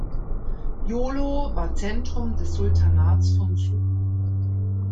Jolo war Zentrum des Sultanats von Sulu.